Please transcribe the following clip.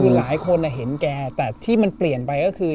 คือหลายคนเห็นแกแต่ที่มันเปลี่ยนไปก็คือ